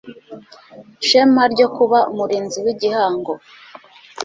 shema ryo kuba Umurinzi w igihango